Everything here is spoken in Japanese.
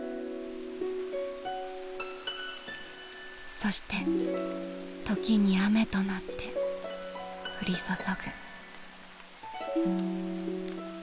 そして時に雨となって降り注ぐ。